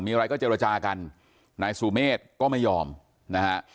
มีอะไรก็เจรจากันนายสุเมฆก็ไม่ยอมนะฮะ